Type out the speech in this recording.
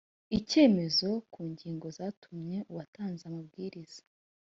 icyemezo ku ngingo zatumye uwatanze amabwiriza